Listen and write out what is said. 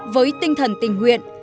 với tinh thần tình nguyện